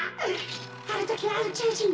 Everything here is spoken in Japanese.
あるときはうちゅうじん。